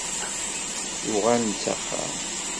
Uɣal-d s axxam.